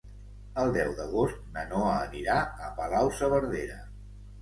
El deu d'agost na Noa anirà a Palau-saverdera.